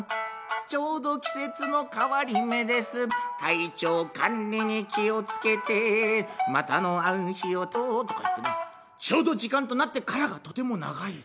ちょうど季節の変わり目です体調管理に気を付けてまたの会う日を楽しみにお忘れ物にも気を付けてちょうど時間となってからがとても長い。